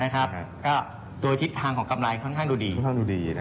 ตัวทิศทางของกำไรค่อนข้างดูดี